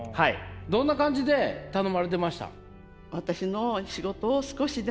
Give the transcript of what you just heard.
どんな感じで頼まれてました？